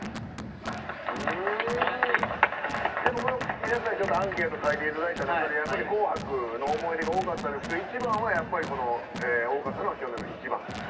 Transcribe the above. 皆さんにアンケート書いていただいた中で「紅白」の思い出が多かったですけど一番は多かったのは去年の「ｉｃｈｉｂａｎ」。